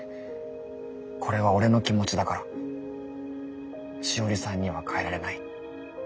これは俺の気持ちだからしおりさんには変えられない。